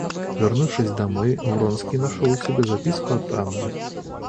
Вернувшись домой, Вронский нашел у себя записку от Анны.